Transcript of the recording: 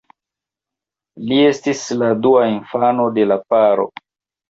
Li estis la dua infano de la paro.